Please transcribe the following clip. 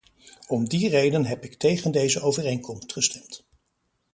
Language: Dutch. Om die reden heb ik tegen deze overeenkomst gestemd.